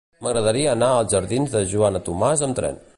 M'agradaria anar als jardins de Joana Tomàs amb tren.